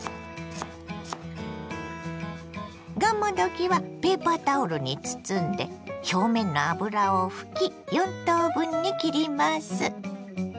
がんもどきはペーパータオルに包んで表面の油を拭き４等分に切ります。